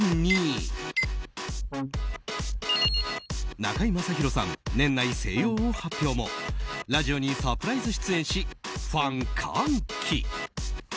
中居正広さん、年内静養を発表もラジオにサプライズ出演しファン歓喜。